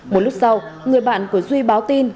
một lúc sau người bạn của duy báo tin